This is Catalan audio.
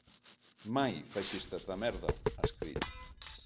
Mai, feixistes de merda, ha escrit.